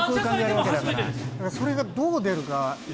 それがどう出るか。